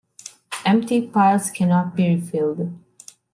Empty piles cannot be refilled.